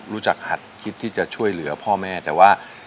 หัดคิดที่จะช่วยเหลือพ่อแม่แต่ว่า